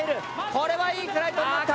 これはいいフライトになった。